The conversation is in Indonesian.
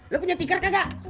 lu punya tikar kagak